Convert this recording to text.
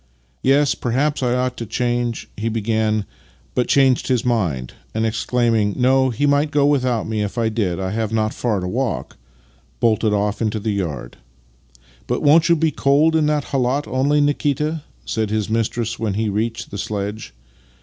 " Yes, perhaps I ought to ch —" he began, but changed his mind, and exclaiming, " No, he might go without me if I did — I have not far to walk," bolted off into the yard. " But won't 5^ou be cold in that khalat only, Nikita? " said his mistress when he reached the sledge.